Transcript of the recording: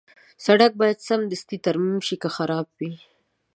سړک باید سمدستي ترمیم شي که خراب وي.